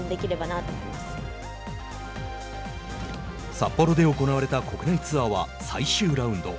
札幌で行われた国内ツアーは最終ラウンド。